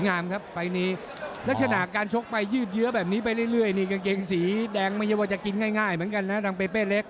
เนี่ยหนึ่งเกรงสีแดงไม่ใช่ว่าจะกินง่ายเหมือนกันนะดังเป้ป้เล็ก